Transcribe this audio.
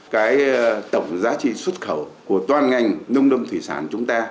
cái tổng giá trị xuất khẩu của toàn ngành nông lâm thủy sản chúng ta